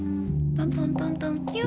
トントントントンキュ。